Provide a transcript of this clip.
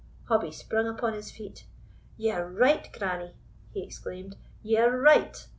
Hobbie sprung upon his feet. "Ye are right, grannie!" he exclaimed; "ye are right.